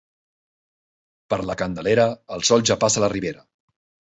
Per la Candelera, el sol ja passa la ribera.